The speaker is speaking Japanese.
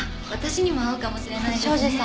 私にも合うかもしれないですね。